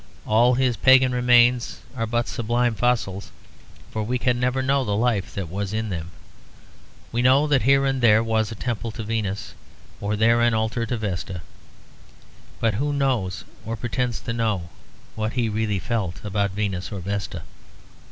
All his pagan remains are but sublime fossils; for we can never know the life that was in them. We know that here and there was a temple to Venus or there an altar to Vesta; but who knows or pretends to know what he really felt about Venus or Vesta?